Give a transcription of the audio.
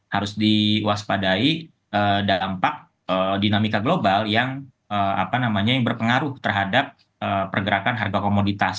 harus diwaspadai dampak dinamika global yang berpengaruh terhadap pergerakan harga komoditas